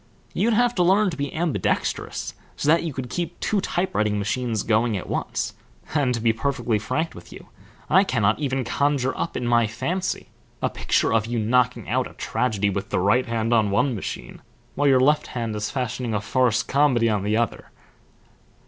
"You'd have to learn to be ambidextrous, so that you could keep two type writing machines going at once; and, to be perfectly frank with you, I cannot even conjure up in my fancy a picture of you knocking out a tragedy with the right hand on one machine, while your left hand is fashioning a farce comedy on another."